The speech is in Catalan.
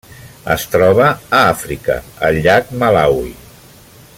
Es troba a Àfrica: el llac Malawi.